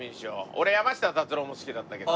俺山下達郎も好きなんだけど。